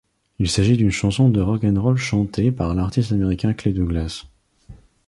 Il s'agit d'une chanson de rock'n roll chantée par l'artiste américain Clay Douglas.